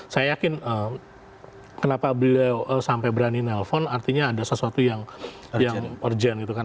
saya yakin kenapa beliau sampai berani nelpon artinya ada sesuatu yang urgent gitu kan